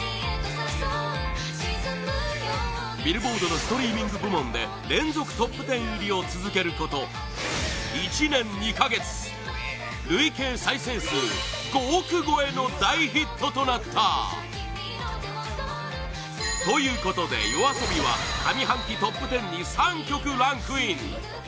ビルボードのストリーミング部門で連続トップ１０入りを続けること１年２か月累計再生数５億超えの大ヒットとなったということでＹＯＡＳＯＢＩは上半期トップ１０に３曲ランクイン！